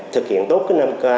thực hiện tốt cái năm k